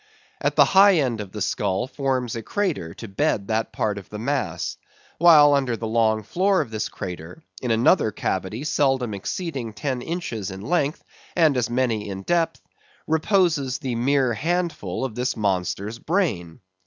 At the high end the skull forms a crater to bed that part of the mass; while under the long floor of this crater—in another cavity seldom exceeding ten inches in length and as many in depth—reposes the mere handful of this monster's brain.